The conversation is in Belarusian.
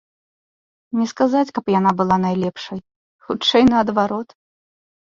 Не сказаць, каб яна была найлепшай, хутчэй наадварот.